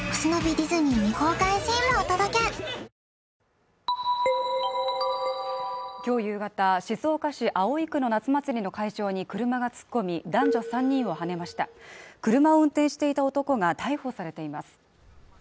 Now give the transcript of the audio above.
ディズニー未公開シーンもお届けきょう夕方静岡市葵区の夏祭りの会場に車が突っ込み男女３人をはねました車を運転していた男が逮捕されています